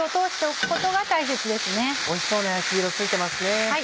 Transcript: おいしそうな焼き色ついてますね。